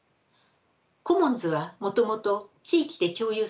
コモンズはもともと地域で共有する資産